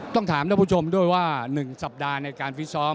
ต้องถามท่านผู้ชมด้วยว่า๑สัปดาห์ในการฟิตซ้อม